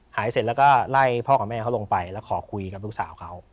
เสร็จแล้วก็ไล่พ่อกับแม่เขาลงไปแล้วขอคุยกับลูกสาวเขา